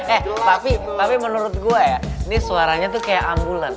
eh tapi menurut gue ya ini suaranya tuh kayak ambulan